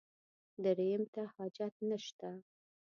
درېیم ته حاجت نشته.